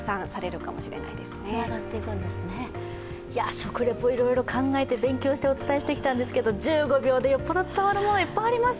食リポいろいろ考えて勉強してお伝えしてきたんですけど１５秒で伝わるもの、いっぱいあります。